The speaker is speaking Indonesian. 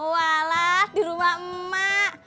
walah di rumah emak